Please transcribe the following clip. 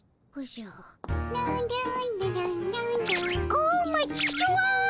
小町ちゅわん！